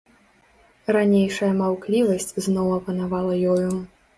Ранейшая маўклівасць зноў апанавала ёю.